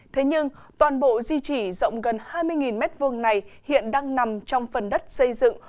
thế nhưng toàn bộ di trị rộng gần hai mươi m hai này hiện đang nằm trong phần đất xây dựng